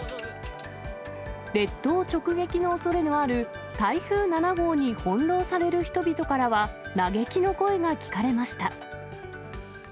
列島直撃のおそれのある台風７号に翻弄される人々からは、嘆きの声が聞かれました。